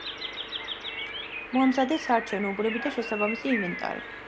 მოამზადეს საარჩევნო უბნები და შესაბამისი ინვენტარი.